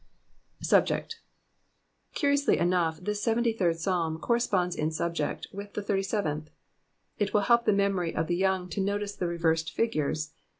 Subject. — Curiously enmigh this ISevefty thnd Psahn arrresponds in subject with the Thirty .tevejith : it wiU help the memory of the young to notice the reversed figures.